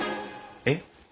えっ？